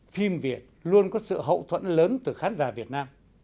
phim việt luôn có sự hậu thuẫn lớn từ khán giả việt nam